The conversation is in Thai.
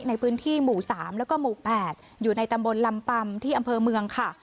ในพื้นที่หมู่๓แล้วก็หมู่๘อยู่ในตำบลลำปำที่อำเภอเมืองค่ะ